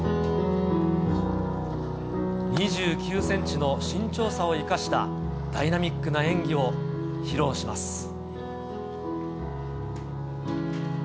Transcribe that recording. ２９センチの身長差を生かした、ダイナミックな演技を披露します。